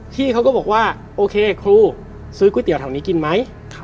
พี่เขาก็บอกว่าโอเคครูซื้อก๋วยเตี๋ยแถวนี้กินไหม